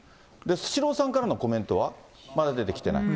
スシローさんからのコメントは、まだ出てきてない？